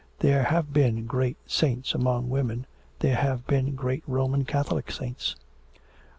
'There have been great saints among women; there have been great Roman Catholic saints.'